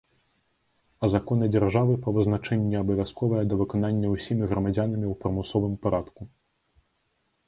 А законы дзяржавы, па вызначэнні, абавязковыя да выканання ўсімі грамадзянамі ў прымусовым парадку.